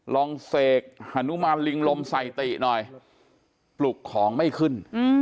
ลองเสกฮานุมานลิงลมใส่ติหน่อยปลุกของไม่ขึ้น